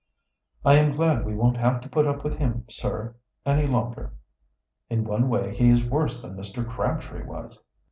"I am glad we won't have to put up with him, sir, any longer. In one way, he is worse than Mr. Crabtree was."